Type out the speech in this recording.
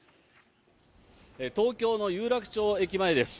東京の有楽町駅前です。